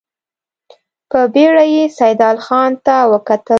په بېړه يې سيدال خان ته وکتل.